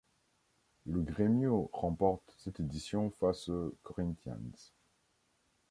Le Grêmio remporte cette édition face aux Corinthians.